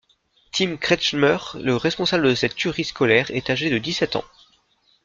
Tim Kretschmer, le responsable de cette tuerie scolaire, est âgé de dix-sept ans.